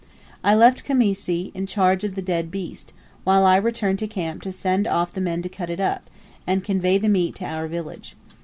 I left Khamisi in charge of the dead beast, while I returned to camp to send off men to cut it up, and convey the meat to our village.